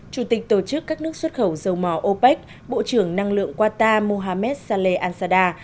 chủ tịch tổ chức các nước xuất khẩu dầu mò opec bộ trưởng năng lượng qatar mohammad saleh al sadar